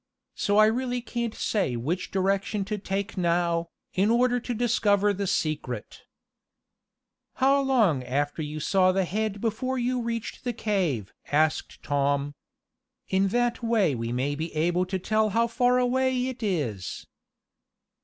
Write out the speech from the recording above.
So I really can't say which direction to take now, in order to discover the secret." "How long after you saw the head before you reached the cave?" asked Tom. "In that way we may be able to tell how far away it is."